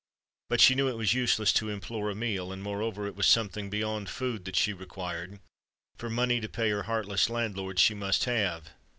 But she knew it was useless to implore a meal;—and moreover it was something beyond food that she required,—for money to pay her heartless landlord she must have!